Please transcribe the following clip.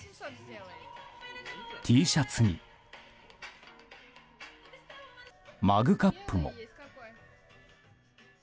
Ｔシャツに、マグカップも。